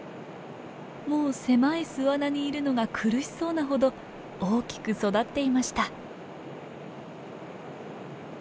もう狭い巣穴にいるのが苦しそうなほど大きく育っていました。